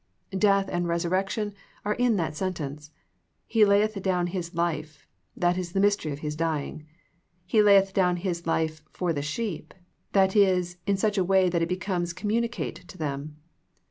Death and resurrection are in that sentence. He layeth down His life, that is the mystery of His dying. He layeth down His life for the sheep, that is, in such a way that it becomes communicate to them.